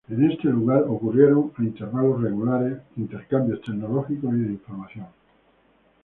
En este lugar, ocurrieron a intervalos regulares intercambios tecnológicos y de información.